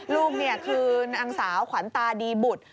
นี่คือนางสาวขวัญตาดีบุตร